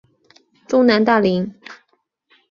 中南大羚。